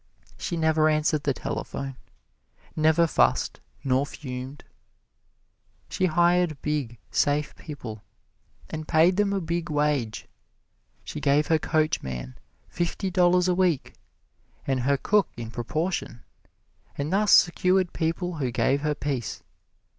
She never answered the telephone, never fussed nor fumed. She hired big, safe people and paid them a big wage. She gave her coachman fifty dollars a week, and her cook in proportion, and thus secured people who gave her peace.